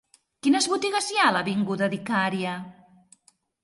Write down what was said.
Quines botigues hi ha a l'avinguda d'Icària?